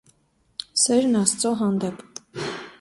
սերն Աստծո հանդեպ